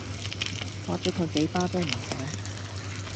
摑左佢幾巴都唔醒